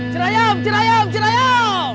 cerayam cerayam cerayam